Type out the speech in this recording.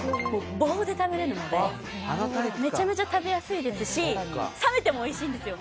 棒で食べられるのでめちゃめちゃ食べやすいですし冷めても美味しいんですよ。